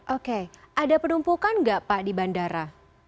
oke ada penumpukan nggak pak di bandara